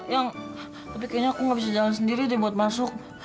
yang tapi kayaknya aku nggak bisa jalan sendiri deh buat masuk